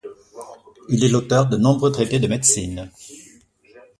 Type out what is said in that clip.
Il est l'auteur de nombreux traités de médecine.